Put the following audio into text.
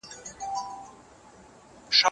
غوږوالي